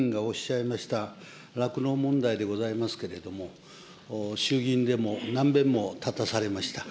今、串田委員がおっしゃいました酪農問題でございますけれども、衆議院でも何べんも立たされました。